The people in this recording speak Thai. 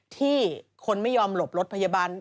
ที่คนไม่ยอมหลบรถพยาบาล